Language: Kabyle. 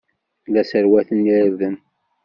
La sserwaten irden.